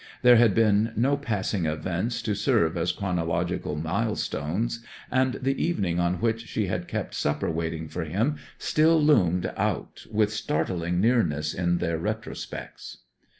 There had been no passing events to serve as chronological milestones, and the evening on which she had kept supper waiting for him still loomed out with startling nearness in their retrospects.